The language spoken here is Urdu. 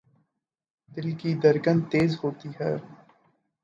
دل کی دھڑکن تیز ہوتی ہے